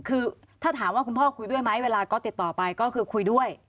คือถ้าถามว่าคุณพ่อคุยด้วยไหมเวลาก็ติดต่อไปก็คือคุยด้วย